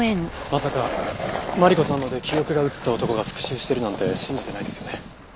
まさかマリコさんまで記憶が移った男が復讐してるなんて信じてないですよね？